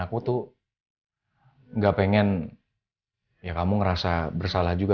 aku tuh gak pengen ya kamu ngerasa bersalah juga